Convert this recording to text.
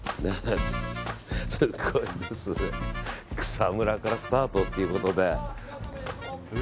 草むらからスタートということで。